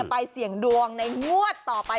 ไปเสี่ยงดวงในงวดต่อไป